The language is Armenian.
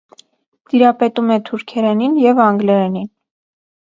Տիրապետում է թուրքերենին և անգլերենին։